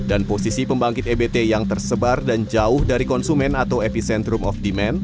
dan posisi pembangkit ebt yang tersebar dan jauh dari konsumen atau epicentrum of demand